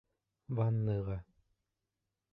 Ванныйға!